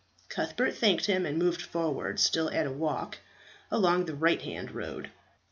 Cuthbert thanked him, and moved forward, still at a walk, along the right hand road.